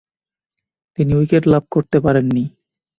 তিনি উইকেট লাভ করতে পারেননি।